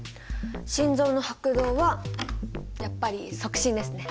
心臓の拍動はやっぱり促進ですね。